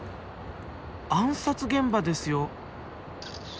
暗殺現場ですよ。